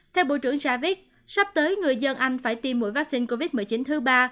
theo bộ trưởng javis sắp tới người dân anh phải tiêm mũi vaccine covid một mươi chín thứ ba